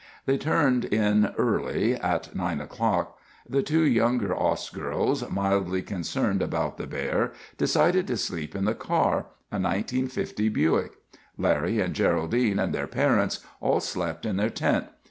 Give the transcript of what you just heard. They turned in early—at 9 o'clock. The two younger Ost girls, mildly concerned about the bear, decided to sleep in the car, a 1950 Buick. Larry and Geraldine and their parents all slept in their tent.